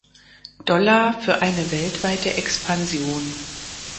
Dollar für eine weltweite Expansion.